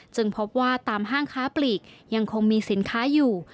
พบว่าตามห้างค้าปลีกยังคงมีสินค้าอยู่